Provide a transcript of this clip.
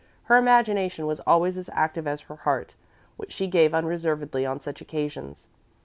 Her imagination was always as active as her heart, which she gave unreservedly on such occasions.